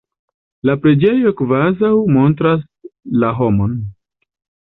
La preĝejo kvazaŭ montras la homon.